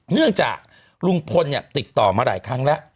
เนื่องจากลุงพลเนี่ยติดต่อมาหลายครั้งแล้ว